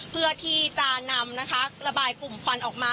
เพื่อที่จะนำนะคะระบายกลุ่มควันออกมา